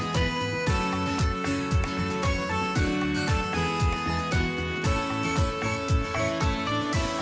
โปรดติดตามตอนต่อไป